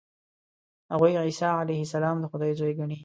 هغوی عیسی علیه السلام د خدای زوی ګڼي.